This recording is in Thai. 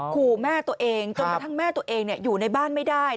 ขู่แม่ตัวเองจนกระทั่งแม่ตัวเองอยู่ในบ้านไม่ได้